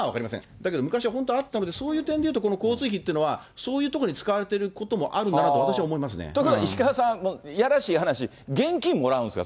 だけど昔は本当にあったので、そういう点でいうと、この交通費というのはそういうところに使われていることもあるなということは石川さん、やらしい話、現金もらうんですか？